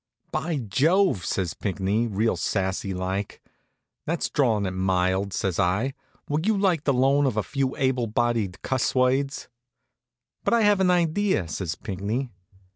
"By Jove!" says Pinckney, real sassy like. "That's drawin' it mild," says I. "Would you like the loan of a few able bodied cuss words?" "But I have an idea," says Pinckney.